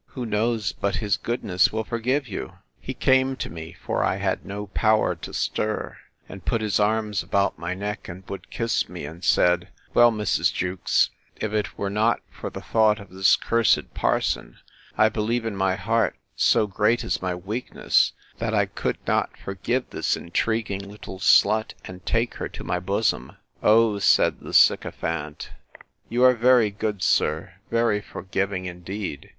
—Who knows but his goodness will forgive you? He came to me, (for I had no power to stir,) and put his arms about my neck, and would kiss me; and said, Well, Mrs. Jewkes, if it were not for the thought of this cursed parson, I believe in my heart, so great is my weakness, that I could not forgive this intriguing little slut, and take her to my bosom. O, said the sycophant, you are very good, sir, very forgiving, indeed!